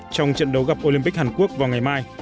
trong trận đấu gặp olympic hàn quốc vào ngày mai